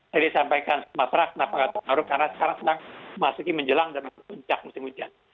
jadi saya sampaikan sumatera kenapa tidak terkena penaruh karena sekarang sedang memasuki menjelang dan puncak musim hujan